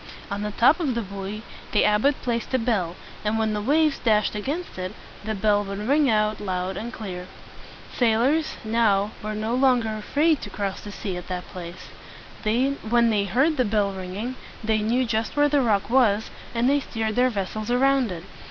On the top of the buoy the abbot placed a bell; and when the waves dashed against it, the bell would ring out loud and clear. Sailors, now, were no longer afraid to cross the sea at that place. When they heard the bell ringing, they knew just where the rock was, and they steered their vessels around it.